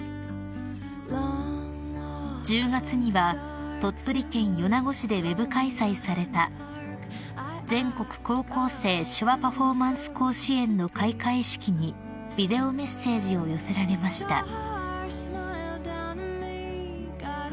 ［１０月には鳥取県米子市でウェブ開催された全国高校生手話パフォーマンス甲子園の開会式にビデオメッセージを寄せられました］